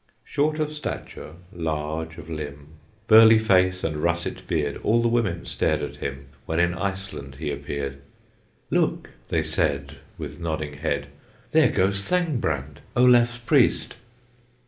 Short of stature, large of limb, Burly face and russet beard, All the women stared at him, When in Iceland he appeared. "Look!" they said, With nodding head, "There goes Thangbrand, Olaf's Priest."